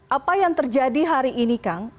apa yang terjadi hari ini kang